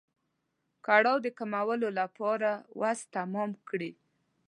کړاو د کمولو لپاره وس تمام کړي.